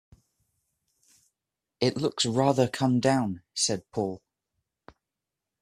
“It looks rather come down,” said Paul.